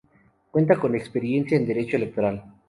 Cuenta con experiencia en derecho electoral.